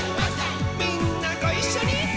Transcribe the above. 「みんなごいっしょにー！」